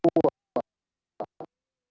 dan tidak sesuai dengan sejarah papua